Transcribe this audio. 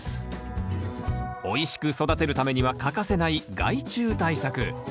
おいしく育てるためには欠かせない害虫対策。